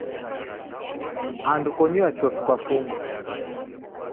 Andu konyuya chofi kwafungwa.